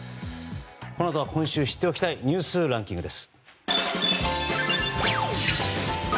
このあとは今週知っておきたいニュースランキングです。